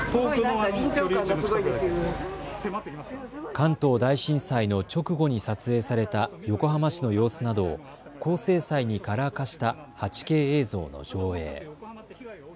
関東大震災の直後に撮影された横浜市の様子などを高精細にカラー化した８Ｋ映像の上映。